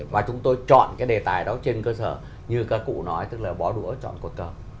và chúng tôi chọn cái đề tài đó trên cơ sở như các cụ nói tức là bỏ đũa chọn cột cờ